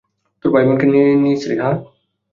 তোর ভাই-বোনকে বেছে নিয়েছিলি, হাহ?